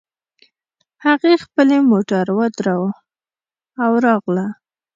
هغې خپلې موټر ودراوو او راغله